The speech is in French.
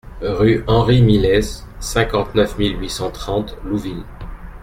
Rue Henri Millez, cinquante-neuf mille huit cent trente Louvil